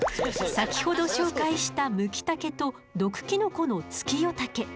先ほど紹介したムキタケと毒キノコのツキヨタケ。